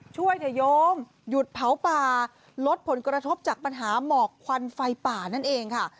ช่วยเถอะโยมหยุดเผาป่าลดผลกระทบจากปัญหาหมอกควันไฟป่านั่นเองค่ะ